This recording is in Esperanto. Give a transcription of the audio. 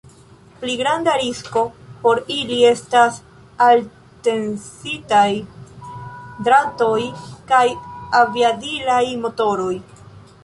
Pli granda risko por ili estas alttensiaj dratoj kaj aviadilaj motoroj.